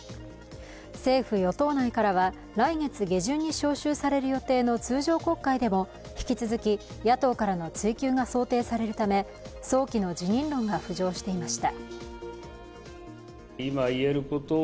政府・与党内からは来月下旬に召集される予定の通常国会でも引き続き、野党からの追及が想定されるため早期の辞任論が浮上していました。